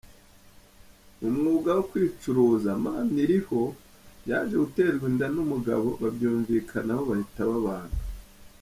Mu mwuga wo kwicuruza Maniriho yaje guterwa inda n’umugabo, babyumvikanaho bahita babana.